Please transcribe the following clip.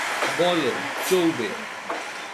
বলো, চৌবে।